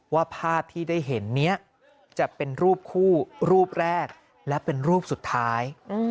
ว่าภาพที่ได้เห็นนี้จะเป็นรูปคู่รูปแรกและเป็นรูปสุดท้าย